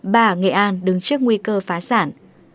bà nghệ an đứng trước nguy cơ phá sản